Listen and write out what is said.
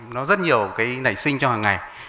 nó rất nhiều cái nảy sinh cho hàng ngày